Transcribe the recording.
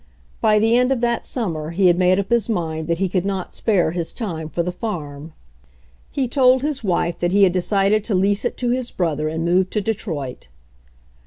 By the end of that sum mer he had made up his mind that he could not spare his time for the farm. He told his wife 62 HENRY FORD'S OWN STORY that he had decided to lease it to his brother and move to Detroit.